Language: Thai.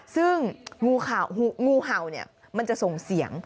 ซึ่งงูเห่ามันจะส่งเสียง